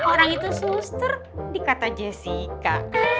orang itu suster di kata jessica